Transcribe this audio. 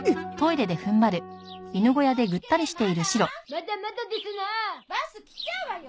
まだまだですなあバス来ちゃうわよ！